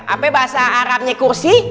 apa bahasa arabnya kursi